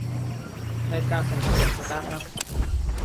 ในการส่งเสริมสตาร์ทอัพ